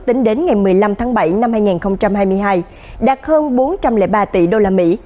tính đến ngày một mươi năm tháng bảy năm hai nghìn hai mươi hai đạt hơn bốn trăm linh ba tỷ usd